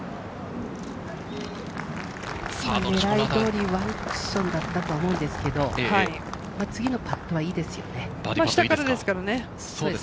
狙い通りワンクッションだったとは思うんですけど、次のパットはいいですよね。